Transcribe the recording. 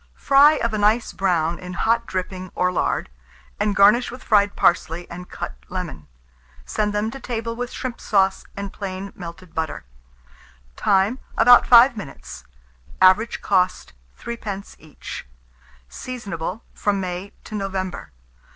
Fry of a nice brown in hot dripping or lard, and garnish with fried parsley and cut lemon. Send them to table with shrimp sauce and plain melted butter. Time. About 5 minutes. Average cost, 3d. each. Seasonable from May to November.